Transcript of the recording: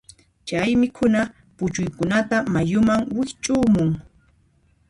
Chay mikhuna puchuykunata mayuman wiqch'umuy.